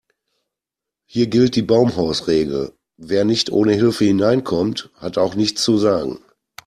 Hier gilt die Baumhausregel: Wer nicht ohne Hilfe hineinkommt, hat auch nichts zu sagen.